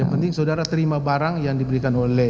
yang penting saudara terima barang yang diberikan oleh